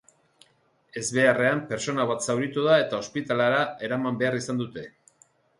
Ezbeharrean pertsona bat zauritu da eta ospitalera eraman behar izan dute.